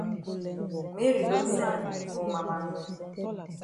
Mary don send am for ma mami.